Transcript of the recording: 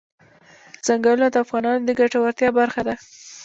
ځنګلونه د افغانانو د ګټورتیا برخه ده.